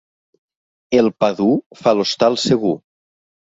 El pa dur fa l'hostal segur.